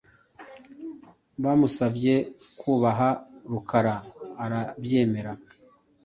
bamusabye kubaha Rukara arabyemera